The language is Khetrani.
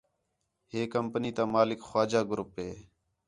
ہے کَمپنی تا مالک خواجہ گروپ ہے